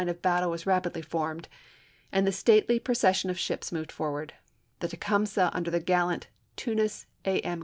of battle was rapidly formed, and the stately pro cession of ships moved forward. The Tecumseh, Aug. 5, 1864. under the gallant Tunis A. M.